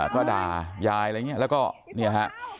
ก็ด่ายายอะไรอย่างนี้แล้วก็เนี่ยฮะ